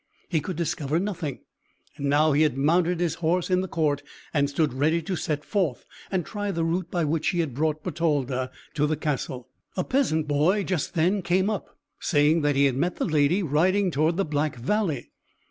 He could discover nothing; and now he had mounted his horse in the court, and stood ready to set forth, and try the route by which he had brought Bertalda to the castle. A peasant boy just then came up, saying that he had met the lady riding toward the Black Valley.